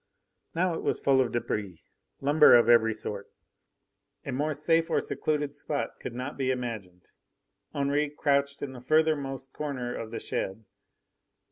Now it was full of debris, lumber of every sort. A more safe or secluded spot could not be imagined. Henri crouched in the furthermost corner of the shed.